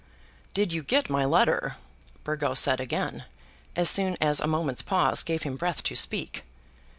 "Did you get my letter?" Burgo said again, as soon as a moment's pause gave him breath to speak.